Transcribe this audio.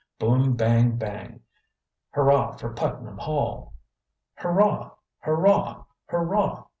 Boom, bang, bang! Hurrah for Putnam Hall!" "Hurrah! hurrah! hurrah!"